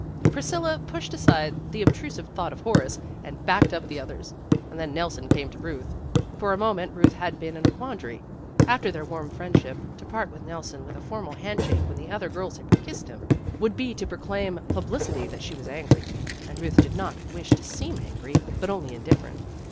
Priscilla pushed aside the obtrusive thought of Horace, and backed up the others. And then Nelson came to Euth. For a moment Euth had been in a quandary. After their warm friendship, to part with Nel son with a formal handshake when the other girls had kissed him, would be to proclaim 184 PEGGY RAYMOND'S WAY publicity that she was angry, and Euth did not wish to seem angry, but only indifferent.